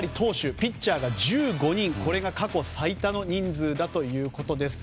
ピッチャーが１５人で過去最多の人数だということです。